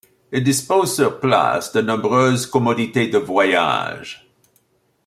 Il dispose sur place de nombreuses commodités de voyage.